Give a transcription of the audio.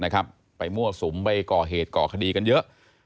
ก่อเหตุก่อคดีกันเยอะ